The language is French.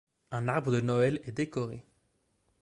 Un arbre de Noël est décoré.